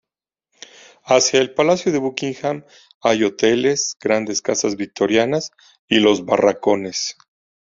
Hacia el palacio de Buckingham hay hoteles, grandes casas victorianas, y los barracones.